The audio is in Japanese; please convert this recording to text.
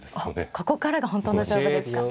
ここからが本当の勝負ですか。